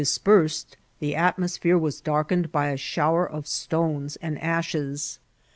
dispersed, the atmoqphere wis darkened by a shower of stones and ashes.